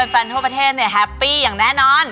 แฟนทั่วประเทศแฮปปี้อย่างแน่นอน